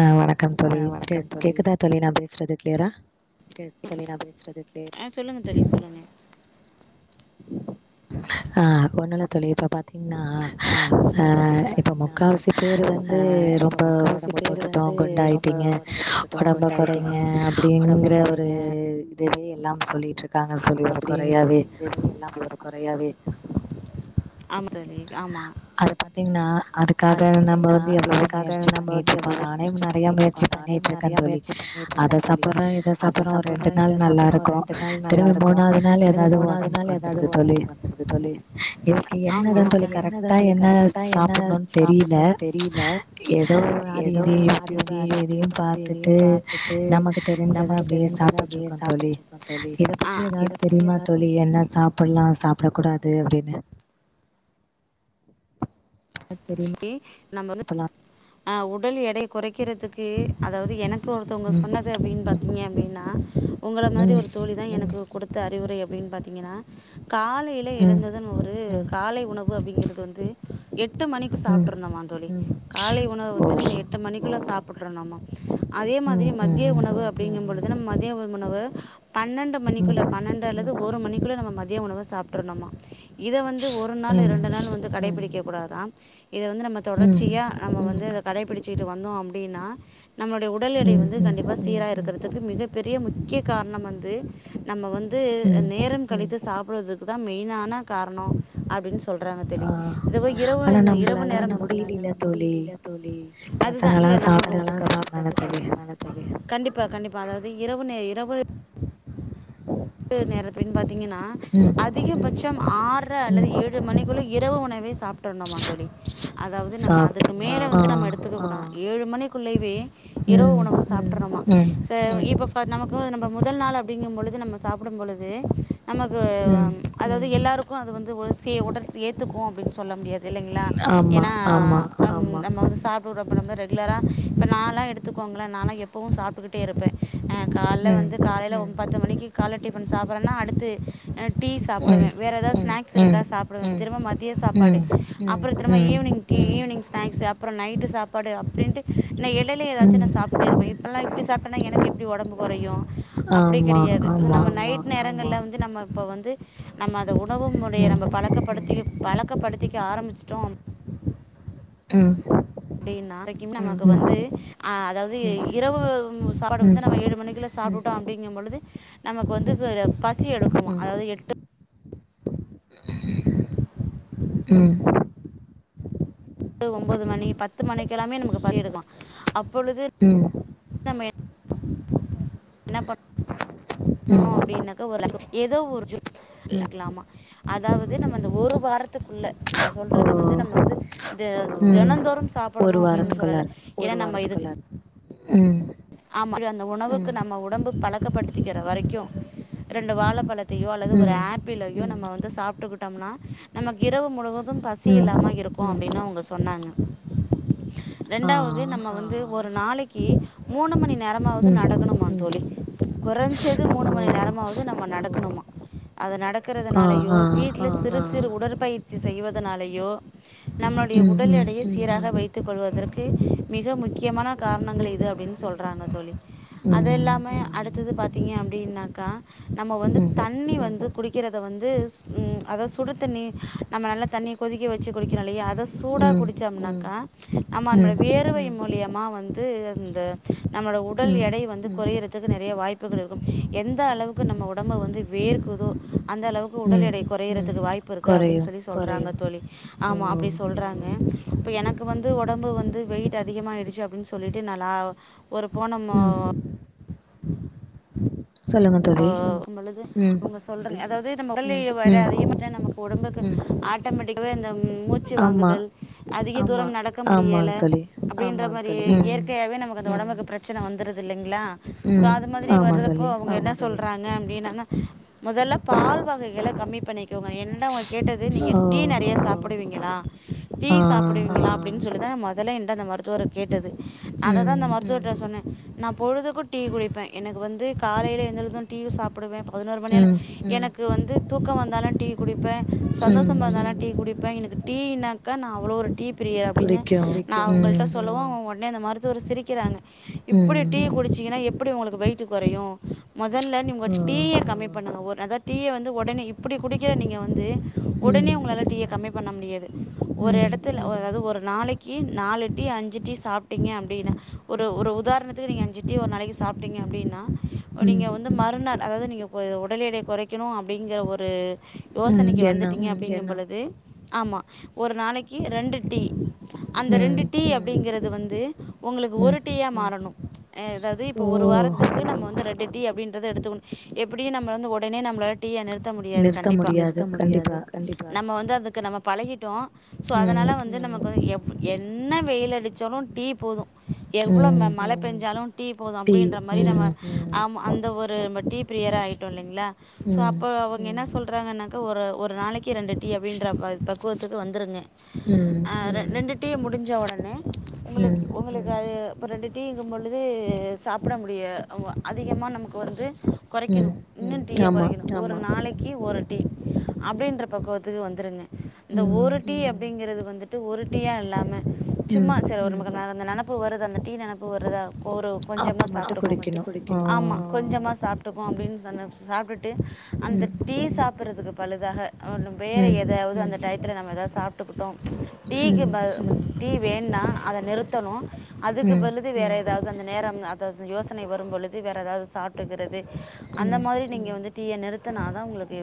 ஆ வணக்கம் தோழி கேக்குதா தோழி நா பேசுறது க்ளியரா ஆ சொல்லுங்க தோழி சொல்லுங்க ஆ ஒண்ணுல்ல தோழி இப்ப பா பாத்திங்னா இப்ப முக்காவசி பேர் வந்து ரொம்ப உடம்பு போட்டுட்டோம் குண்டா ஆயிட்டிங்க உடம்ப கொறங்க அப்படிங்கற ஒரு அதுவே எல்லாம் சொல்லிட்டுருக்காங்க சொல்லி ஒரு குறையாவே ஆமா தோழி ஆமா அது பாத்தீங்கன்னா அதுக்காக நம்ம வந்து எவ்வளவோ முயற்சி பண்ணிட்டு இருக்கோம் நானே நறைய முயற்சி பண்ணிட்டு இருக்கன் தோழி அத சாப்படுறோம் இத சாப்பறோம் ரெண்டு நாள் நல்லா இருக்கும் திரும்பி மூணாவது நாள் ஏதாது உடம்புக்கு வந்துடுது தோழி இதுக்கு என்னதா தோ கரெக்டா என்ன சாப்டணு தெரில ஏதோ அதி இதி யூட்யுஃபூ அதையும் இதையும் பாத்துட்டு நமக்கு தெரிஞ்சத அப்டியே சாப்பிட்டு இருக்கோம் தோழி இத பத்தி ஏதாது தெரியுமா தோழி என்ன சாப்பலாம் சாப்ட கூடாது அப்படின்னு நம்ம வந்து உடல் எடைய கொறைக்கிறதுக்கு கே அதாவது எனக்கு ஒருத்தொங்க சொன்னது அப்படின்னு பாத்தீங்க அப்டின்னா உங்கள மாரி ஒரு தோழி ன எனக்கு குடுத்த அறிவுரை அப்டின்னு பாத்தீங்கன்னா காலையில இழந்ததுன்னு ஒரு காலை உணவு அப்படிங்கிறது வந்து எட்டு எட்டு மணிக்கு சாப்ட்டரனுமா தோழி காலை உணவு வந்து நம்ம எட்டு மணிக்குள்ள சாப்பட்டரனுமா சாப்பிட்டுருந்தனாம அதே மாதிரி மதிய உணவு அப்படிங்கும்பொழுது ந மத்திய உணவு பன்னெண்டு மணிக்குள்ள பன்னெண்டு அல்லது ஒரு மணிக்குள்ள நம்ம மதிய உணவு சாப்பிட்டுரணோமா இத வந்து ஒரு நாள் இரண்டு நாள் வந்து கடைபிடிக்கக்க கூடாதா இத வந்து நம்ம தொடர்ச்சியா நம்ம வந்து அத கடைபிடிச்சிட்டு வந்தோம் அப்டின்னா நம்மளுடைய உடல் எடை வந்து கண்டிப்பா சீரா இருக்கறதுக்கு மிகப்பெரிய முக்கிய காரணம் வந்து நம்ம வந்து நேரம் கழித்து சாப்பிடுறது க்கு தான் மெயினான காரணம் அப்டின்னு சொல்றாங்க தோழி இதுவே இரவு இரவு நேரம் அதுதான் இல்ல கண்டிப்பா கண்டிப்பா அதாவது இரவு நே இரவு [inaudible] நேரத்தின் பாத்தீங்கன்னா அதிகபட்சம் ஆறர அல்லது ஏழு மணிக்குள்ள இரவு உணவே சாப்பிட்ரணுமா தோழி அதாவது நம்ம அதுக்கு மேல வந்து நம்ம எடுத் துக்க கூடாதாம் ஏழு மணிக்குள்ளேவே இரவு உணவு சாப்பிட்ரனுமா இப்போ ஃபார் நமக்கு வந்து நம்ம முதல் நாள் அப்படிங்கிற பொழுது நம்ம சாப்பிட மொழுது நமக்கு அதாவது எல்லாருக்கும் அது வந்து உடல் ஏத்துக்குனு அப்பிடின்னு சொல்ல முடியாது இல்லைங்களா ஏன்னா நம்ம வந்து சாப்பிடுறப்ப ரெகுலராக இப்போ நானால எடுத்துக்கோங்களன் நானல எப்பவும் சாப்பிட்டுக்கிட்டே இருப்பேன் ஆ கால வந்து காலையில பத்து மணிக்கு காலைல டிபன் சாப்பிடுறேனா அடுத்து டீ சாப்பிடுவேன் வேறு ஏதாவது ஸ்நாக்ஸ் இருக்கா சாப்பிடுவேன் திரும்ப மதியம் சாப்பாடு அப்புறோம் திரும்ப ஈவினிங் ஈவினிங் ஸ்நாக்ஸ் அப்புறோம் நைட்டு சாப்பாடு அப்படினுட்டு நான் எடையில ஏதாச்சும் நான் சாப்பிட்ட இருப்பேன் இப்ப எல்லாம் இப்டி சாப்பிட்டேன்னா எனக்கு எப்டி உடம்பு கொறையும் அப்படி கெடயாது நம்ம நைட் நேரங்கள்ல வந்து நம்ம இப்ப வந்து நம்ம அத உணவு முறைய நம்ம பழக்கப்படுத்தி பழக்கப்படுத்திக்க ஆரம்பிச்சிட்டோம் ம் அப்படின்னா நாளைக்கும் நமக்கு வந்து அ அதாவது இரவு சாப்பாட வந்து நம்ம ஏழு மணிக்குள்ள சாப்புட்டோ அப்டிங்க பொழுது நமக்கு வந்து குட பசி எடுக்குமா அதாவ்து எட்டு ம் ட்டு ஒம்போது மணி பத்து மணிக்குல்லாமே நமக்கு பசி எடுக்குமா அப்பொழுது என்ன பண் ணனு அப்டின்னாக்க ஒரு எதோ ஒரு [inaudible] அதாவ்து நம்ம அந்த ஒரு வாரத்துக்குள்ள நா சொல்றது வந்து நம்ம வந்து தெ தெனந்தோறும் சாப்புடணு அப்டின்னு சொல்லல ஏனா நம்ம இது ம் ஆமா அந்த உணவுக்கு நம்ம ஒடம்பு பழக்கப்படுத்திக்கிற வரைக்கு ரெண்டு வாழப்பழத்தையோ அல்லது ஒரு ஆப்பிளையோ நம்ம வந்து சாப்ட்டுக்கிட்டோம்னா நமக்கு இரவு முழுவதும் பசி இல்லாம இருக்கும் அப்டின்னு அவங்க சொன்னாங்க [unintelligible] ரெண்டாவது நம்ம வந்து ஒரு நாளைக்கு மூணு மணி நேரமாவது நடக்கணுமா தோழி கொறஞ்சது மூணு மணி நேரமாவது நம்ம நடக்கணுமா அது நடக்கறதுனாலயோ வீட்ல சிறு சிறு உடற்பயிற்சி செய்வதனாலயோ நம்மோடைய உடல் எடைய சீராக வைத்துக் கொள்வதற்கு மிக முக்கியமான காரணங்கள் இது அப்டின்னு சொல்றாங்க தோழி அது எல்லாமே அடுத்தது பாத்தீங்க அப்டினாக்கா நம்ம வந்து தண்ணி வந்து குடிக்கிறத வந்து ம் அதாவ் சுடு தண்ணி நம்ம நல்லா தண்ணிய கொதிக்க வச்சு குடிக்கறோ இல்லையா அதை சூடா குடிச்சம்னக்கா நம்ம [unintelligible] வேர்வை மூலியமா வந்து இந்த நம்மளோட உடல் எடை வந்து குறையுறதுக்கு நெறைய வாய்ப்புகள் இருக்கும் எந்த அளவுக்கு நம்ம உடம்ப வந்து வேர்க்குதோ அந்த அளவுக்கு உடல் எடை குறையுறதுக்கு வாய்ப் புருக்கு அப்டின்னு சொல்லி சொல்றாங்க தோழி ஆமா அப்டி சொல்றாங்க இப்ப எனக்கு வந்து ஒடம்பு வந்து வெயிட் அதிகமாயிடுச்சு அப்டின்னு சொல்லிட்டு நல்லா ஒரு போனம்மோ ஓ உங்களுது உங்க சொல்றேங்க அதாவ்து நம்ம உடல்எ வேற அதிக மட்டும் நமக்கு உடம்புக்கு ஆட்டோமேட்டிக்காவே இந்த ம் மூச்சு வாங்குதல் அதிக தூரம் நடக்க முடியல அப்டின்ற மாரி இயற்க் கையாவே நமக்கு அந்த ஒடம்புக்கு பிரச்சன வந்துருது இல்லைங்களா சோ அது மாதிரி வரதுப்போ அவுங்க என்ன சொல்றாங்க அப்டின்னானா மொதல்ல பால் வகைகள கம்மி பண்ணிக்கோங்க என்னட அவுங்க கேட்டது நீங்க டீ நெறைய சாப்டுவீங்களா டீ சாப்புடுவீங்களா அப்டின்னு சொல்லிதா மொதல்ல என்ட்ட அந்த மருத்துவர் கேட்டது அததா அந்த மருத்துவர்ட்ட சொன்னே நா பொழுதுக்கு டீ குடிப்பே எனக்கு வந்து காலைல எழுந்தது டீ சாப்புடுவே பதினோரு மணில எனக்கு வந்து தூக்கொ வந்தாலு டீ குடிப்பே சந்தோஷமா இருந்தாலு டீ குடிப்பே எனக்கு டீ னாக்கா நா அவ்ளோ ஒரு டீ பிரியர் அப்டின்னு நா அவுங்கள்ட்ட சொல்லவு உ டனே அந்த மருத்துவர் சிரிக்கிறாங்க இப்டி டீ குடிச்சீங்கன்னா எப்டி உங்களுக்கு வெயிட்டு கொறையு மொதல்ல நீ உங்க டீய கம்மி பண்ணுங்க ஒரு அதாவ் டீய வந்து உடனே இப்டி குடிக்கிற நீங்க வந்து ஒடனே உங்களால டீய கம்மி பண்ண முடியாது ஒரு எடத்துல ஒ அதாவது ஒரு நாளைக்கு நாலு டீ அஞ்சி டீ சாப்ட்டீங்க அப்டின்னா ஒரு ஒரு உதாரணத்துக்கு நீங்க அஞ்சு டீ ஒரு நாளைக்கு சாப்ட்டீங்க அப்டின்னா ப்போ நீங்க வந்து மறுநாள் அதாவது நீங்க ப்போ உடல் எடை குறைக்கணு அப்டிங்க ஒரு யோசனைக்கு வந்துட்டீங்க அப்டிங்கிற பொழுது ஆமா ஒரு நாளைக்கி ரெண்டு டீ அந்த ரெண்டு டீ அப்டிங்கிறது வந்து உங்களுக்கு ஒரு டீயா மாறணு எ எதாவது இப்ப ஒரு வாரத்துக்கு நம்ம வந்து ரெண் டு டீ அப்டின்றத எடுத்துக்குனு எப்டி நம்ம வந்து ஒடனே நம்மளோட டீய நிறுத் நிறுத்த முடியாது கண்டிப்பா நம்ம வந்து அதுக்கு நம்ம பழகிட்டோ சோ அதனால வந்து நமக்கு வந்து எவ்வ என்ன வெயில் அடிச்சாலு டீ போது எவ்ளோ மழ பெஞ்சாலு டீ போது அப்டின்ற மாரி நம்ம ஆமா அந்த ஒரு டீ பிரியரா ஆயிட்டோ இல்லைங்களா சோ அப்போ அவுங்க என்ன சொல்றாங்கன்னாக்கா ஒரு ஒரு நாளைக்கி ரெண்டு டீ அப்டின்ற பக்குவத்துக்கு வந்துருங்க ஆ ரெண்டு டீ முடிஞ்ச ஒடனே உங்களுக் உங்களுக்கு அது ரெண்டு டீங்கு பொழுது சாப்பட முடியா அ அதிகமா நமக்கு வந்து கொறைக்கணு இன்னு டீய கொறைக்கணு ஒரு நாளைக்கு ஒரு டீ அப்டின்ற பக்குவத்துக்கு வந்துருங்க இந்த ஒரு டீ அப்டிங்குறது வந்துட்டு ஒரு டீயா இல்லாம சும்மா சில ஒரு நமக்கு அந்த நெனப்பு வருதா அந்த டீ நெனப்பு வருதா ஒரு கொஞ்சமா மட்டு குடிக்கணு ஆ கொஞ்சமா சாப்ட்டுக்கு அப்டின்னு சொன்ன சாப்ட்டுட்டு அந்த டீ சாப்றதுக்கு பழுதாக ஒன்னு வேற எதையாவது அந்த டயத்துல நம்ம ஏதையாவது நம்ம சாப்ட்டுக்குட்டோ டீக்கு பதி டீ வேன்னா அத நிறுத்தணு அதுக்கு பலுது வேற ஏதாவது அந்த நேரம் அதாவது யோசனை வரும் பொழுது வேற எதாவது சாப்ட்டுகிறது அந்த மாரி நீங்க வந்து டீய நிறுத்துனாதா உங்களுக்கு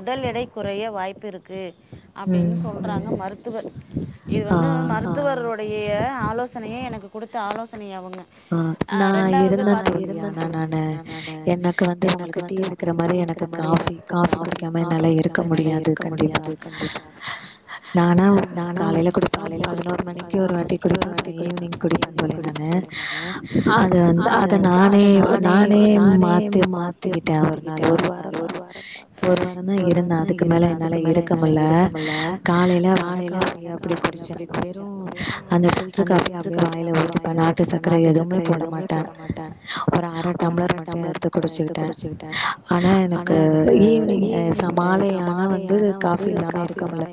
உடல் எடை குறைய வாய்ப்பு இருக்கு அப்டின்னு சொல்றாங்க மருத்துவர் இது வந்து மருத்துவர்ருடைய ஆலோசனைய எனக்கு குடுத்த ஆலோசனை அவுங்க நா இருந்தே தோழி ஏன்னா நானு எனக்கு வந்து உங்களுக்கு டீ இருக்கிற மாரி எனக்கு காஃபி காஃபி குடிக்காம என்னால இருக்க முடியாது கண்டிப்பா நானா உ காலையில குடிப்பே ப பதினோரு மணிக்கு ஒரு வாட்டி குடிப்பே அப்புற ஈவினிங் குடிப்பே தோழி நானு அது வந்து அத நானே னே நானே மாத்தி மாத்திக்கிட்டே ஒரு நாள் ஒரு வார தா ஒரு வார தா இருந்தே அதுக்கு மேல என்னால இருக்க முல்ல காலையில வட காஃபி அப்டி குடிச்சே வெறு அந்த ஃபில்டர் காஃபி அப்டியே வாயில ஊத்திப்பே நாட்டு சர்க்கர எதுவுமே போட மாட்டே ஒரு அர டம்ளர் மட்டு எடுத்து குடிச்சிக்கிட்டே ஆனா எனக்கு ஈவினிங் ச மாலையானா வந்து காஃபி இல்லாம இருக்க முல்ல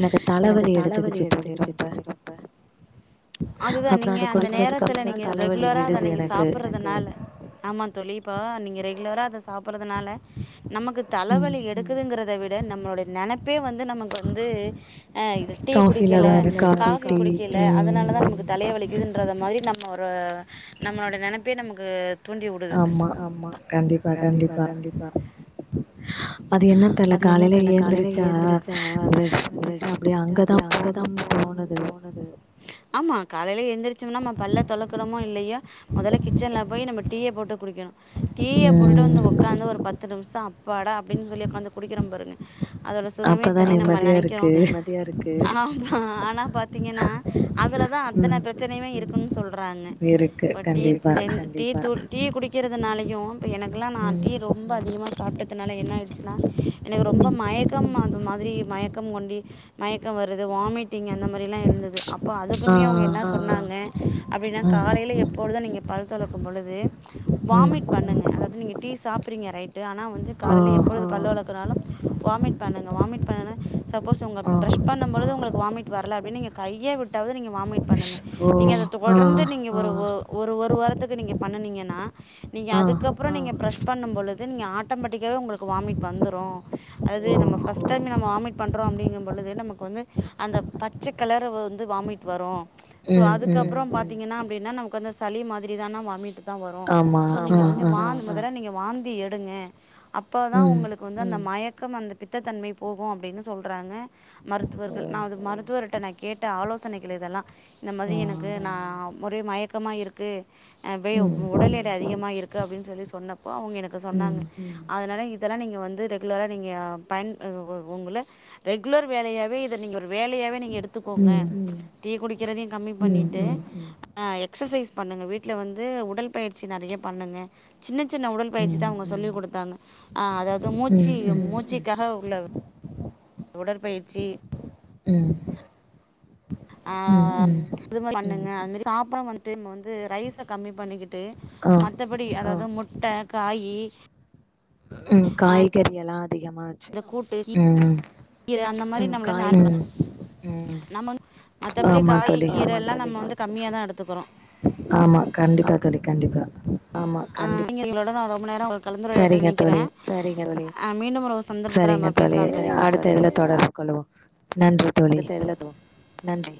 எனக்கு தலவலி எடுத்துக்கிச்சி தோழி ரொம்ப அதுதா நீங்க அந்த நேரத்துல நீங்க ரெகுலரா அத நீங்க சாப்புடறதுனால ஆமா தோழி இப்போ நீங்க ரெகுலரா அத சாப்புடறதுனால நமக்கு தலவலி எடுக்குதுங்கிறத விட நம்மளோடே நெனப்பே வந்து நமக்கு வந்து ஆ இது டீ குடிக்கல காஃபி குடிக்கல அதனாலதா நமக்கு தலயே வலிக்குதுன்றத மாரி நம்ம ஒரு நம்மளோட நெனப்பே நமக்கு தூண்டி வுடுது ஆமா கண்டிப்பா கண்டிப்பா அது என்ன தெர்ல காலைலே ஏந்திருச்சா ட்டு அப்டியே அங்கதா போணும்னு தோனுது ஆமா காலையில எந்திரிச்சோம்னா நம் பல்ல தொலக்குறமோ இல்லையோ மொதல்ல கிச் சன்ல போய் நம்ம டீய போட்டு குடிக்கணூ டீய போட்டுட்டு வந்து ஒக்காந்து ஒரு பத்து நிம்ஷ அப் பாடா அப்டின் சொல்லி ஒக்காந்து குடிக்றோ பாருங்க அதோட சுகமே தனி நம்ம நெனக்கோ ஆனா வ ஆ ஆனா பாத்தீங்கனா அதுலதா அத்தன பிரச்சனையுமே இருக்குன்ஸ் சொல்றாங்க பட் இருக்குன்னு டீ தூள் டீ குடிக்கிறதுனாலயு இப்ப எனக்குலா நா டீ ரொம்ப அதிகமா சாப்ட்டதுனால என்ன ஆய்ர்ச்சுனா எனக்கு ரொம்ப மயக்கம் அது மாதிரி மயக்கம் கொண்டி மயக்கோ வருது வாமிட்டிங் அந்த மாரிலா இருந்தது அப்போ அதுக்குமே அவ்ங்க என்ன சொன்னாங்க அப்டினா காலைல எப்பொழுது நீங்க பல்தொளக்கும் பொழுது வாமிட் பண்ணுங்க அதாவ்து நீங்க டீ சாப்புறீங்க ரைட்டு ஆனா வந்து காலேல எப்பொழுது பல்லு வெளக்குனாலு வாமிட் பண்ணுங்க வாமிட் பண்ணன சப்போஸ் உங்க பிரஷ் பண்ணும்பொழுது ஒங்களுக்கு வாமிட் வரல அப்டின் நீங்க கைய விட்டாவ்து நீங்க வாமிட் பண்ணுங்க நீங்க அத தொடர்ந்து நீங்க ஒரு ஒ ஒ ரு ஒரு வாரத்துக்கு நீங்க பண்ணுனீங்கனா நீங்க அதுக்கப்புறோ நீங்க பிரஷ் பண்ணும் பொழுது நீங்க ஆட்டோமேட்டிக்காவே ஒங்களுக்கு வாமிட் வந்துரு அதாது நம்ம ஃபஸ்ட் டைமு நம்ம வாமிட் பண்றோ அப்டிங்கும் பொழுது நமக்கு வந்து அந்த பச்ச கலரு வந்து வாமிட் வரு சோ அதுக்கப்றோ பாத்தீங்கனா அப்டினா நமக்கு வந்தஸ் சளி மாதிரிதான வாமிட்டுதா வரூ சோ நீங்க வந்து வாந் முதல்ல நீங்க வாந்தி எடுங்க அப்போதா உங்களுக்கு வந்து அந்த மயக்கம் அந்த பித்தத்தன்மை போகு அப்டினு சொல்றாங்க மருத்துவர்கள் நா அது மருத்துவர்ட்ட நா கேட்ட ஆலோசனைகள் இதெல்லா இந்த மாதிரி எனக்கு நா ஒரே மயக்கமா இருக்கு அப்பயே ஒடல் எடை அதிகமா இருக்கு அப்டின் சொல்லி சொன்னப்போ அவுங்க எனக்கு சொன்னாங்க அதனால இ தலா நீங்க வந்து ரெகுலரா நீங்க பயன் உ வ உங்குள ரெகுலர் வேலையாவே இத நீங்க ஒரு வேலையாவே நீங்க எடுத்துக்கோங்க டீ குடிக்கிறதையு கம்மி பண்ணி ட்டு அ எக்சசைஸ் பண்ணுங்க வீட்ல வந்து உடல் பயிற்சி நெறைய பண்ணுங்க சின்ன சின்ன உடல் பயிற்சிதா அவ்ங்க சொல்லி் குடுத்தாங்க ஆ அதாவ்து மூச்சு மூச்சுக்காக உள்ள உடற்பயிற்சி ம் ஆம் இது மாரி பண்ணுங்க அது மாரி சாப்பட வன்ட்டு நம்ம வந்து ரைஸ கம்மி பண்ணிக்கிட்டு மத்தபடி அதாவ்து முட்ட காயி ம் காய்கறியெலா அதிகமா வச்சு ம் கீர அந்த மாரி நம்ம சாப்டனு நம்ம வந் மத்தபடி காயி கீரெல் லா நம்ம வந்து கம்மியாதா எடுத்துக்குறோ ஆமா கண்டிப்பா தோழி கண்டிப்பா ஆ [inaudible] உங்களோட ரொம்பு நேரோ அ கலந்துரையாடிட்டன் நெனைக்கிற அ மீண்டும் ஒ இன்னொர் சந்தர்பத்துல நம்ம பேஸ்லா தோழி கொள்ளுவோ நன்றி அடுத்த இதுலத்துவோ நன்றி